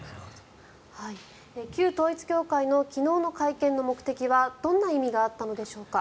旧統一教会の昨日の会見の目的はどんな意味があったのでしょうか。